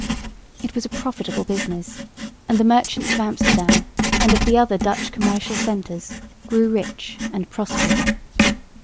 It was a profitable business, and the merchants of Amsterdam and of the other Dutch commercial centres grew rich and prospered.